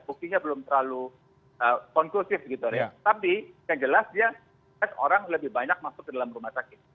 buktinya belum terlalu konklusif gitu tapi yang jelas dia orang lebih banyak masuk ke dalam rumah sakit